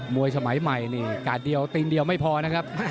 วยสมัยใหม่นี่กาดเดียวตีนเดียวไม่พอนะครับ